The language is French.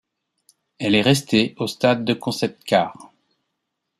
Elle est restée au stade de concept-car.